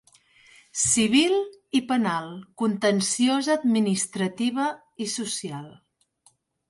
Civil i Penal, Contenciosa Administrativa i Social.